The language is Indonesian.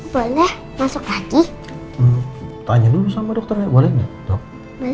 boleh masuk lagi tanya dulu sama dokternya boleh nggak dokter